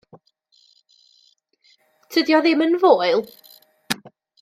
Tydi o ddim yn foel.